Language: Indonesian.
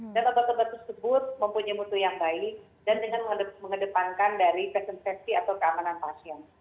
dan obat obat tersebut mempunyai butuh yang baik dan dengan mengedepankan dari pesensiasi atau keamanan pasien